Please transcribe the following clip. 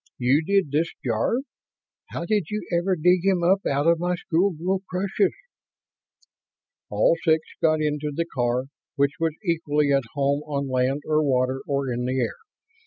You did this, Jarve. How did you ever dig him up out of my schoolgirl crushes?" All six got into the car, which was equally at home on land or water or in the air.